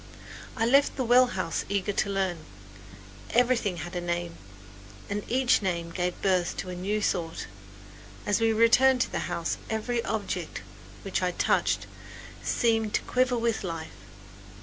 I left the well house eager to learn. Everything had a name, and each name gave birth to a new thought. As we returned to the house every object which I touched seemed to quiver with life.